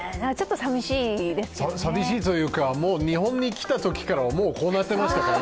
寂しいというか、日本に来たときから、もうこうなっていましたからね。